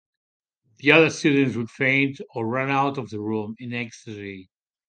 The other students would faint or run out of the room in ecstasy.